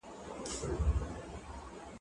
هغه څوک چي موبایل کاروي پوهه زياتوي.